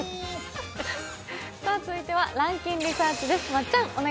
続いては「ランキンリサーチ」です。